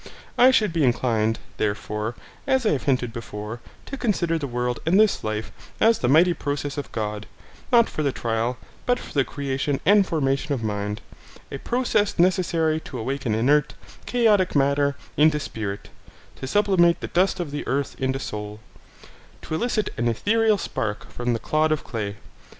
I should be inclined, therefore, as I have hinted before, to consider the world and this life as the mighty process of God, not for the trial, but for the creation and formation of mind, a process necessary to awaken inert, chaotic matter into spirit, to sublimate the dust of the earth into soul, to elicit an ethereal spark from the clod of clay.